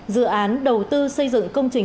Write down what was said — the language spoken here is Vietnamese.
dự án đầu tư xây dựng công trình